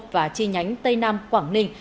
và chi nhánh tây nam quảng ninh